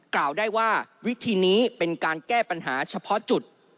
กล่าวได้ว่าวิธีนี้เป็นการแก้ปัญหาเฉพาะจุด